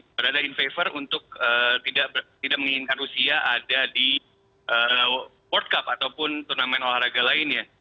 berada in favor untuk tidak menginginkan rusia ada di world cup ataupun turnamen olahraga lainnya